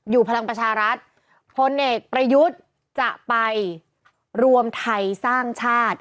พลังประชารัฐพลเอกประยุทธ์จะไปรวมไทยสร้างชาติ